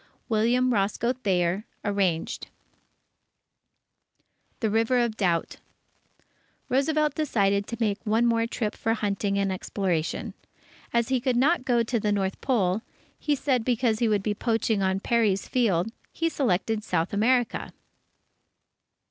William Roscoe Thayer (Arranged) THE RIVER OF DOUBT Roosevelt decided to make one more trip for hunting and exploration. As he could not go to the North Pole, he said, because that would be poaching on Peary's field, he selected South America.